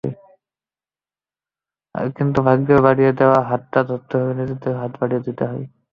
কিন্তু ভাগ্যের বাড়িয়ে দেওয়া হাতটা ধরতে হলে নিজেদেরও হাত বাড়িয়ে দিতে হয়।